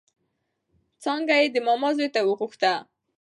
څانګه يې د ماما زوی ته غوښته